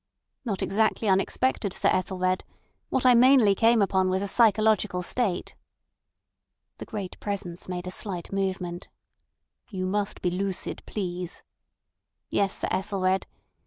"Not exactly unexpected, Sir Ethelred. What I mainly came upon was a psychological state." The Great Presence made a slight movement. "You must be lucid, please." "Yes, Sir Ethelred.